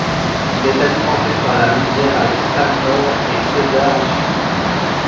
Il est alimenté par la rivière à l'extrême nord et Cedar au sud.